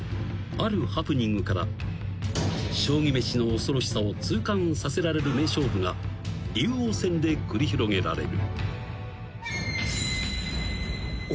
あるハプニングから将棋めしの恐ろしさを痛感させられる名勝負が竜王戦で繰り広げられる］